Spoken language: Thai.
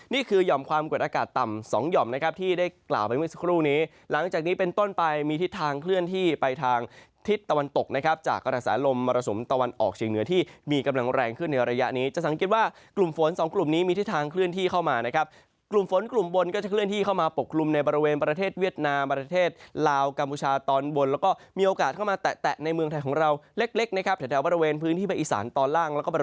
นี่คือย่อมความกวดอากาศต่ำสองย่อมนะครับที่ได้กล่าวไปเมื่อสักครู่นี้หลังจากนี้เป็นต้นไปมีทิศทางเคลื่อนที่ไปทางทิศตะวันตกนะครับจากกระทะสารลมมรสมตะวันออกเชียงเหนือที่มีกำลังแรงขึ้นในระยะนี้จะสังเกตว่ากลุ่มฝนสองกลุ่มนี้มีทิศทางเคลื่อนที่เข้ามานะครับกลุ่มฝนกลุ่มบนก็จะเคล